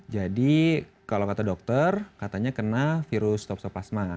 jadi kalau kata dokter katanya kena virus topsof plasma